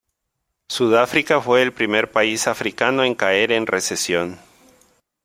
Sudáfrica fue el primer país africano en caer en recesión.